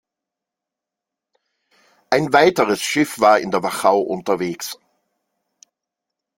Ein weiteres Schiff war in der Wachau unterwegs.